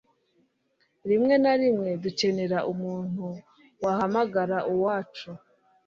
rimwe na rimwe, dukenera umuntu wahamagara uwacu